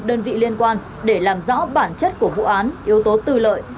đơn vị liên quan để làm rõ bản chất của vụ án yếu tố tư lợi